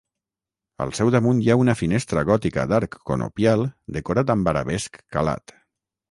Al seu damunt hi ha una finestra gòtica d'arc conopial decorat amb arabesc calat.